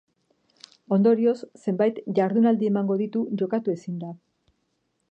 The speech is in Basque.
Ondorioz, zenbait jardunaldi emango ditu jokatu ezinda.